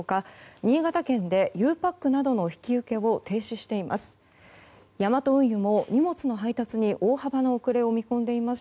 新潟県でゆうパックなどの引き受けを停止しています。